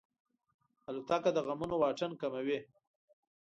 الوتکه د غمونو واټن کموي.